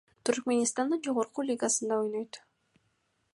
Түркмөнстандын жогорку лигасында ойнойт.